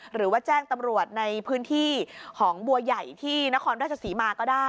หรือว่าแจ้งตำรวจในพื้นที่ของบัวใหญ่ที่นครราชศรีมาก็ได้